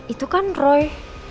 itu kan roy